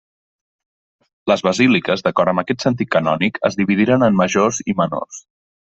Les basíliques, d'acord amb aquest sentit canònic, es dividirien en majors i menors.